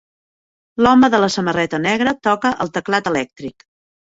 L'home de la samarreta negra toca el teclat elèctric.